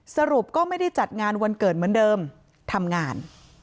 สรุปก็ไม่ได้จัดงานวันเกิดเหมือนเดิมทำงาน